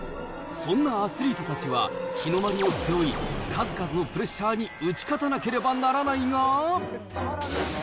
そんなアスリートたちは日の丸を背負い、数々のプレッシャーに打ち勝たなければならないが。